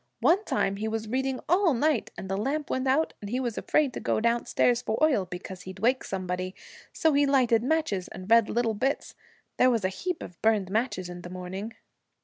One time he was reading all night, and the lamp went out, and he was afraid to go downstairs for oil, because he'd wake somebody, so he lighted matches and read little bits. There was a heap of burned matches in the morning.'